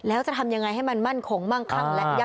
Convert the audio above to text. แล้วจะทำยังไงให้มันมั่นคงมั่งคั่งและยั่ง